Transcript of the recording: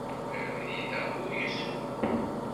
Abrid-a ur yessuffuɣ.